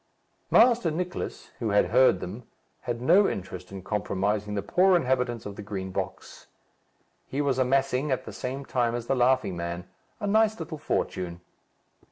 Master Nicless, who had heard them, had no interest in compromising the poor inhabitants of the Green Box. He was amassing, at the same time as the Laughing Man, a nice little fortune.